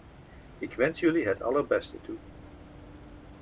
Ik wens jullie het allerbeste toe.